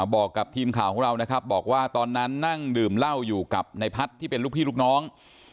บอกกับทีมข่าวของเรานะครับบอกว่าตอนนั้นนั่งดื่มเหล้าอยู่กับในพัฒน์ที่เป็นลูกพี่ลูกน้อง